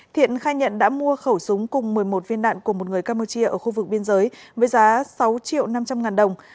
thiện khai nhận đã mua khẩu súng cùng một mươi một viên đạn của một người campuchia ở khu vực biên giới với giá sáu triệu năm trăm linh ngàn đồng